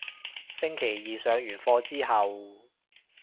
星期二上完課之後